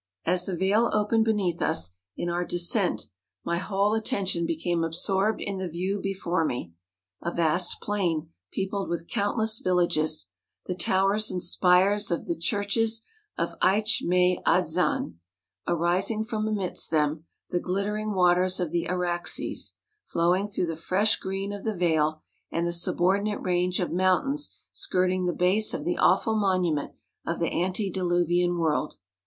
As the vale opened beneath us in our descent my whole attention became absorbed in the \dew before me. A vast plain, peopled with countless villages, the towers and spires of the churches of Eitch mai adzan, arising from amidst them, the glittering waters of the Araxes, flowing through the fresh green of the vale ; and the subordinate range of mountains skirting the base of the awful monument of the antediluvian world.